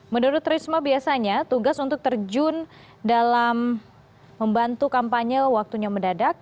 menurut risma biasanya tugas untuk terjun dalam membantu kampanye waktunya mendadak